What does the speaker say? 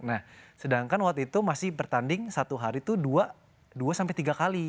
nah sedangkan waktu itu masih bertanding satu hari itu dua sampai tiga kali